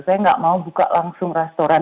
saya nggak mau buka langsung restoran